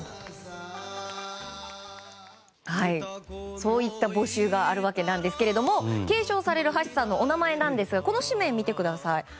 そういった募集があるわけなんですけれども継承される橋さんのお名前なんですがこの紙面を見てください。